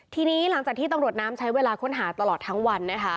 ทีนี้หลังจากที่ตำรวจน้ำใช้เวลาค้นหาตลอดทั้งวันนะคะ